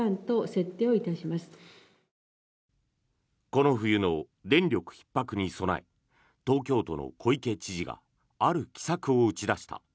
この冬の電力ひっ迫に備え東京都の小池知事がある奇策を打ち出した。